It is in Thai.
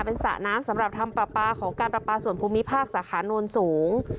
เป็นสระน้ำสำหรับทำปลาปลาของการประปาส่วนภูมิภาคสาขาโน้นสูง